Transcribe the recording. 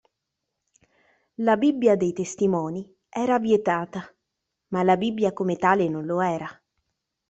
La Bibbia dei Testimoni era vietata, ma la Bibbia come tale non lo era..